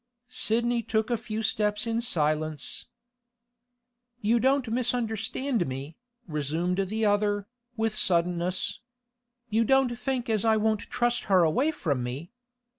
Sidney took a few steps in silence. 'You don't misunderstand me,' resumed the other, with suddenness. 'You don't think as I won't trust her away from me.